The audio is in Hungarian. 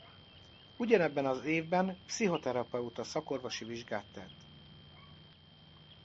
Ugyanebben az évben pszichoterapeuta szakorvosi vizsgát tett.